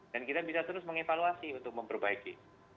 dan kita bisa terus mengevaluasi untuk memperbaiki